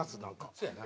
そうやな。